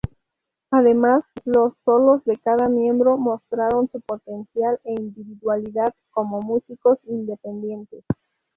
Además, los solos de cada miembro mostraron su potencial e individualidad como músicos independientes.